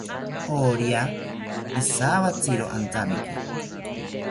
Orya ijawatziro antamiki